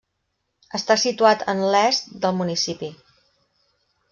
Està situat en l'est del municipi.